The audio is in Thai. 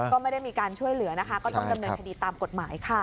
ก็ไม่ได้มีการช่วยเหลือนะคะก็ต้องดำเนินคดีตามกฎหมายค่ะ